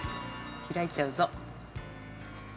開いちゃうぞ。